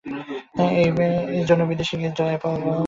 এইজন্য বিদেশে গিয়া জয়গোপাল প্রথম প্রথম অগাধ জলের মধ্যে পড়িয়াছিল।